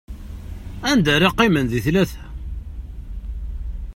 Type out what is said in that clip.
Anda ara qqimen di tlata?